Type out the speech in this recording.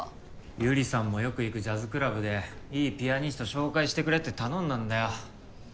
百合さんもよく行くジャズクラブでいいピアニスト紹介してくれって頼んだんだよ